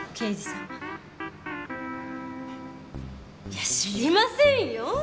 いや知りませんよ！